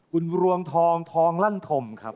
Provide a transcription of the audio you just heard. คุณรวงทองทองลั่นธมครับ